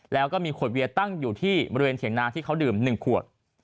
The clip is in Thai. แล้วก็มีขวดเบียร์ตั้งอยู่ที่บริเวณเถียงนาที่เขาดื่ม๑ขวด